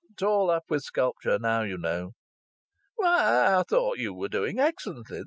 It's all up with sculpture now, you know." "Why! I thought you were doing excellently.